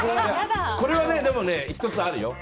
これはでも１つあるよ。